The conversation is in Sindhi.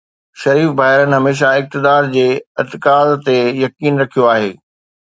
شريف ڀائرن هميشه اقتدار جي ارتکاز تي يقين رکيو آهي.